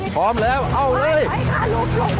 พร้อมแล้วเอาเลย